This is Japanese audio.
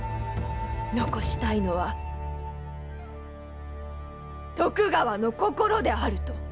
残したいのは徳川の心であると。